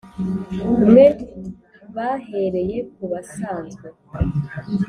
umwe bahereye kubasanzwe